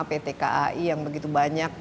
pt kai yang begitu banyak